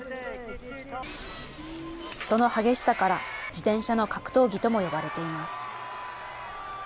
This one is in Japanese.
その激しさから、自転車の格闘技とも呼ばれています。